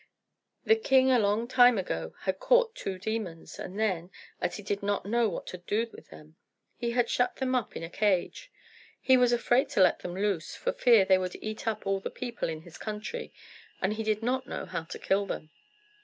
The king a long time ago had caught two demons, and then, as he did not know what to do with them, he had shut them up in a cage. He was afraid to let them loose for fear they would eat up all the people in his country; and he did not know how to kill them.